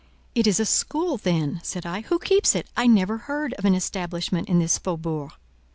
"It is a school then?" said I. "Who keeps it? I never heard of an establishment in this faubourg."